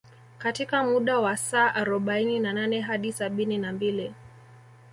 Katika muda wa saa arobaini na nane hadi sabini na mbili